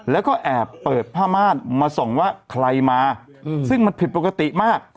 แล้วก็แอบเปิดผ้าม่านมาส่งว่าใครมาซึ่งมันผิดปกติมาก